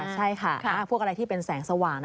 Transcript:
ใช่ค่ะพวกอะไรที่เป็นแสงสว่าง